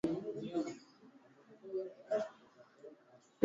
Rais Kenyatta ambaye ni Mwenyekiti wa jumuia ya Afrika mashariki alisema